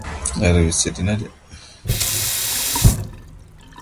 Il se passionne et construit des hydravions de gros tonnage.